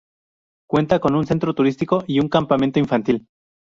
Cuenta con un centro turístico y un campamento infantil.